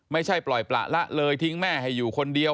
ไม่ใช่ปล่อยประละเลยทิ้งแม่ให้อยู่คนเดียว